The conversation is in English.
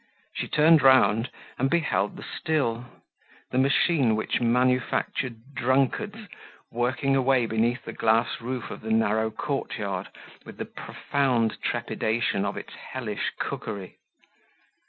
She turned round and beheld the still, the machine which manufactured drunkards, working away beneath the glass roof of the narrow courtyard with the profound trepidation of its hellish cookery.